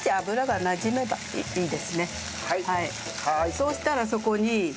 そうしたらそこに。